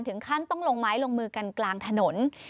ถึงขั้นต้องลงไม้ลงมือกันกลางถนน